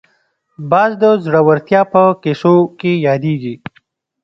باز د زړورتیا په کیسو کې یادېږي